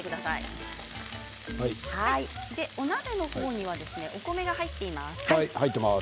お鍋にはお米が入っています。